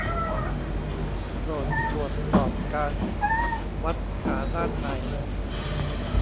โปรดตรวจสอบการวัดขาด้านใน